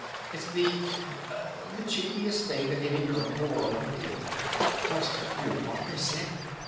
It's the the cheekiest thing that any girl in the world ever did!... But your Butler said...!